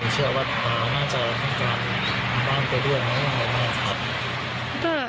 เชื่อว่าตาน่าจะทำการบ้านตัวด้วยนะครับ